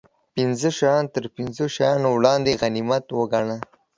پنځه شیان تر پنځو شیانو وړاندې غنیمت و ګڼه